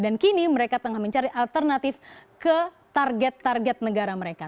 dan kini mereka tengah mencari alternatif ke target target negara mereka